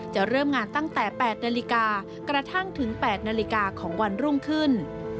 เริ่มงานตั้งแต่๘นาฬิกากระทั่งถึง๘นาฬิกาของวันรุ่งขึ้น